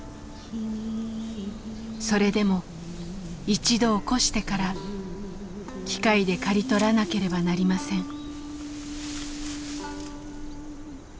それでも一度起こしてから機械で刈り取らなければなりません。